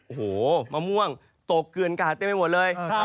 โอ้โฮมะม่วงตกเกินกาศได้ไม่หมดเลย